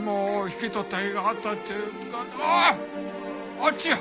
あっちや！